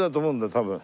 多分。